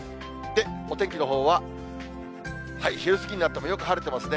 お天気のほうは昼過ぎになってもよく晴れてますね。